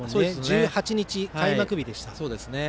１８日、開幕日でした。